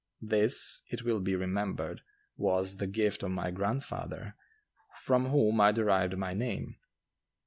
This, it will be remembered, was the gift of my grandfather, from whom I derived my name.